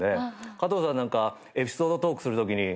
加藤さんなんかエピソードトークするときに。